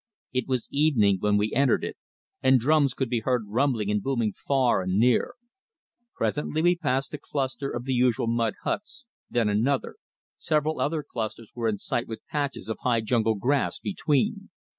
It was evening when we entered it, and drums could be heard rumbling and booming far and near. Presently we passed a cluster of the usual mud huts, then another; several other clusters were in sight with patches of high jungle grass between.